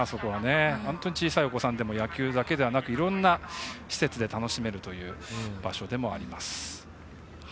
本当に小さいお子さんでも野球だけでなく、いろんな施設で楽しめるという場所でもあります。